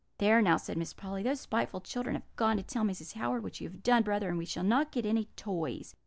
"'There, now,' said Miss Polly, 'those spiteful children have gone to tell Mrs. Howard what you have done, brother, and we shall not get any toys.